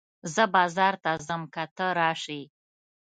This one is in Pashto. زه بازار ته ځم که ته راسې